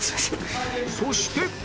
そして